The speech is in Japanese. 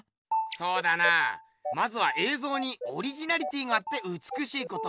そうだなまずはえいぞうにオリジナリティーがあってうつくしいこと。